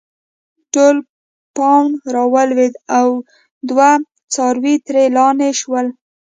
ټول پاڼ راولويد او دوه څاروي ترې لانې شول